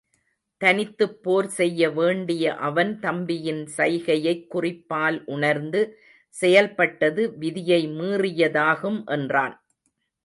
தனித்துப்போர் செய்ய வேண்டிய அவன் தம்பியின் சைகையைக் குறிப்பால் உணர்ந்து செயல்பட்டது விதியை மீறியதாகும் என்றான்.